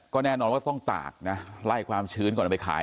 ก็แน่นอนว่าต้องตากนะไล่ความชื้นก่อนเอาไปขาย